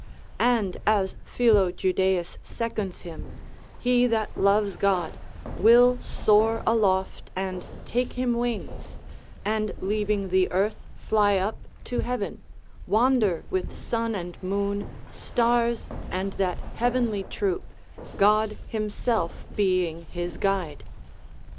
And as Philo Judeus seconds him, he that loves God, will soar aloft and take him wings; and leaving the earth fly up to heaven, wander with sun and moon, stars, and that heavenly troop, God himself being his guide.